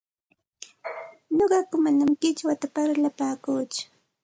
Nuqaku manam qichwata parlapaakuuchu,